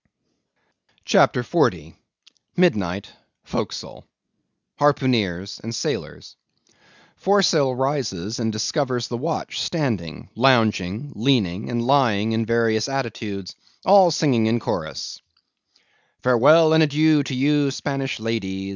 CHAPTER 40. Midnight, Forecastle. HARPOONEERS AND SAILORS. (_Foresail rises and discovers the watch standing, lounging, leaning, and lying in various attitudes, all singing in chorus_.) Farewell and adieu to you, Spanish ladies!